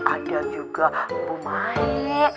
ada juga bumae